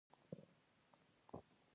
ولسوال د خلکو ستونزې حلوي